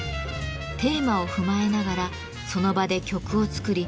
テーマを踏まえながらその場で曲を作り